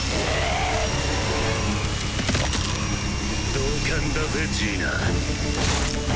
同感だぜジーナ。